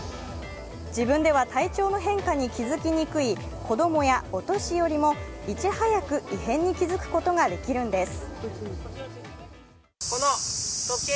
自分では体調の変化に気付きにくい子供やお年寄りもいち早く異変に気づくことができるんです。